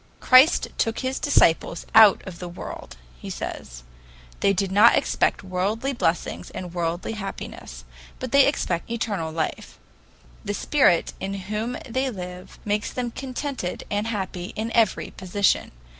Christ took his disciples out of the world, he says. They do not expect worldly blessings and worldly happiness, but they expect eternal life. The Spirit in whom they live makes them contented and happy in every position.